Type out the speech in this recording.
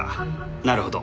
なるほど。